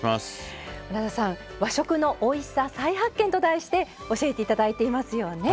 村田さん「和食のおいしさ再発見！」と題して教えて頂いていますよね。